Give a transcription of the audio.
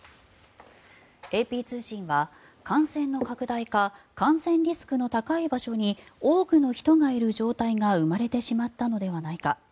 ＡＰ通信は、感染の拡大か感染リスクの高い場所に多くの人がいる状態が生まれてしまったのではないか。